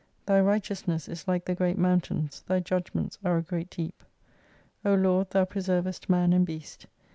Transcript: Thy righteousness is like the great mountains, Thy^ judgments are a great deep : O Lord, thou preservest man and beast.